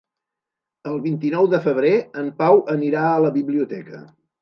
El vint-i-nou de febrer en Pau anirà a la biblioteca.